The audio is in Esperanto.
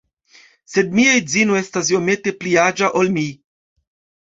Sed mia edzino estas iomete pli aĝa ol mi